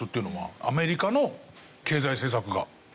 アメリカの経済政策が。